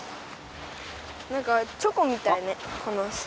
なんかチョコみたいねこの砂。